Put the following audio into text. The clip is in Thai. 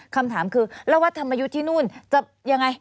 คำถามคือแล้ววัดธรรมยุทธ์ที่นู่นจะยังไง